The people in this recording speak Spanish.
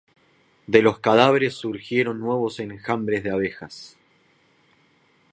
De los cadáveres surgieron nuevos enjambres de abejas.